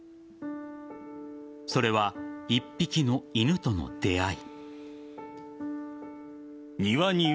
それは一匹の犬との出会い。